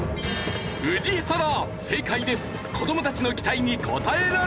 宇治原正解で子供たちの期待に応えられるか？